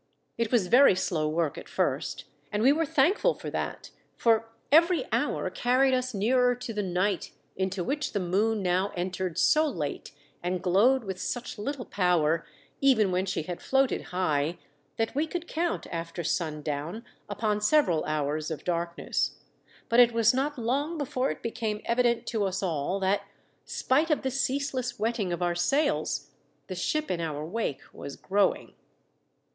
It was very slow work at first, and we were thankful for that; for every hour carried us nearer to the night into which the moon now entered so late and glowed with such little power, even when she had floated high, that we could count, after sundown, upon several hours of darkness ; but it was not long before it became evident to us all that, spite of the ceaseless wetting of our sails, the ship in our wake was growing.